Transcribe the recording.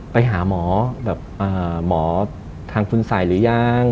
ไปหาหมอทางฟุนสัยหรือยัง